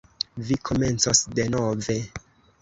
Vi komencos denove.